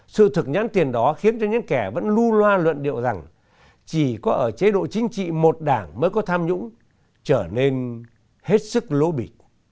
sự thực nhắn tiền đó khiến cho những kẻ vẫn lưu loa luận điệu rằng chỉ có ở chế độ chính trị một đảng mới có tham nhũng trở nên hết sức lỗ bị